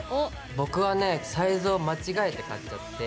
僕はねサイズを間違えて買っちゃって。